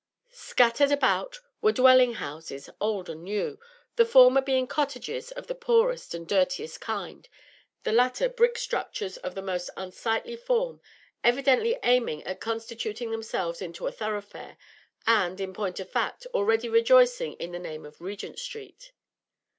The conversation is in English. Scattered about were dwelling houses old and new; the former being cottages of the poorest and dirtiest kind, the latter brick structures of the most unsightly form, evidently aiming at constituting themselves into a thoroughfare, and, in point of fact, already rejoicing in the name of Regent Street.